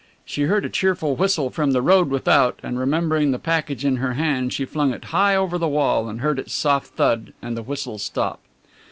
She heard a cheerful whistle from the road without and remembering the package in her hand she flung it high over the wall and heard its soft thud, and the whistle stop.